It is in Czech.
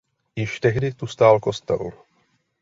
Již tehdy tu stál kostel.